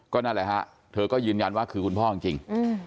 นั่นแหละฮะเธอก็ยืนยันว่าคือคุณพ่อจริง